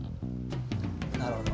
なるほど。